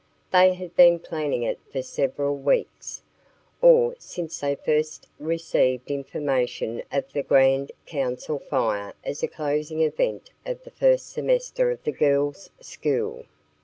They had been planning it for several weeks, or since they first received information of the Grand Council Fire as a closing event of the first semester of the girls' school.